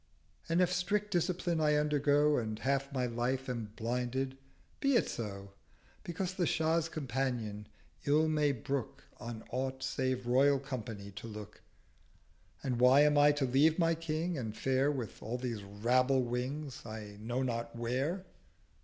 And if strict Discipline I undergo And half my Life am blinded—be it so; Because the Shah's Companion ill may brook On aught save Royal Company to look. And why am Ito leave my King, and fare With all these Rabble Wings I know not where?'